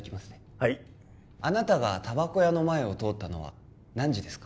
はいあなたがタバコ屋の前を通ったのは何時ですか？